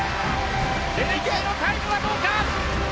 レデッキーのタイムはどうか！